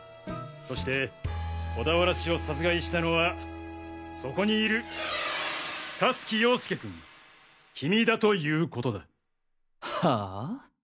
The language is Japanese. そして小田原氏を殺害したのはそこにいる香月陽介君キミだという事だ。はあ？